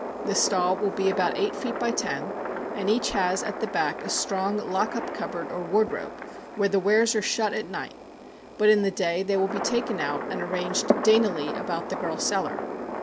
The stall will be about eight feet by ten, and each has at the back a strong lock up cupboard or wardrobe, where the wares are shut at night; but in the day they will be taken out and arranged daintily about the girl seller.